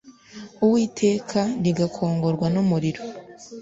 Uwiteka rigakongorwa n umuriro